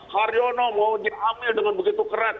haryono mau diambil dengan begitu keras